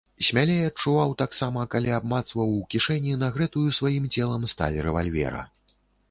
Смялей адчуваў таксама, калі абмацваў у кішэні, нагрэтую сваім целам, сталь рэвальвера.